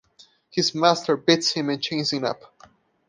His master beats him and chains him up.